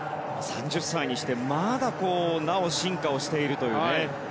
３０歳にして、まだなお進化しているというね。